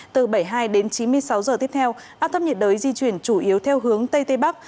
từ bảy mươi hai đến chín mươi sáu giờ tiếp theo áp thấp nhiệt đới di chuyển chủ yếu theo hướng tây tây bắc